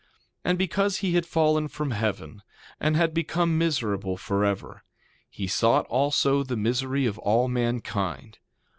2:18 And because he had fallen from heaven, and had become miserable forever, he sought also the misery of all mankind.